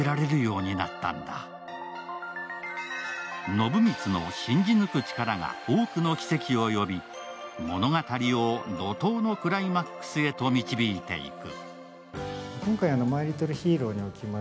暢光の信じ抜く力が多くの奇跡を呼び、物語を怒とうのクライマックスへと導いていく。